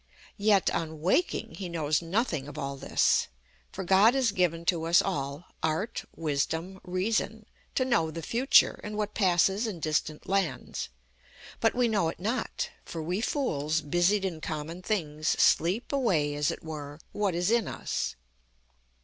Yet, on waking, he knows nothing of all this. For God has given to us all Art, Wisdom, Reason to know the future, and what passes in distant lands; but we know it not, for we fools, busied in common things, sleep away, as it were, what is in us.